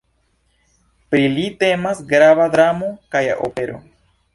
Pri li temas grava dramo kaj opero.